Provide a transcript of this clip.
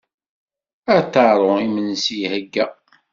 A Taro, imensi iheyya.